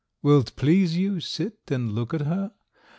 Will't please you sit and look at her?